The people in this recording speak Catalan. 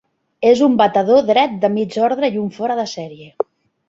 És un batedor dret de mig ordre i un fora de sèrie.